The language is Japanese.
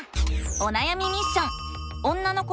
おなやみミッション！